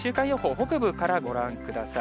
北部からご覧ください。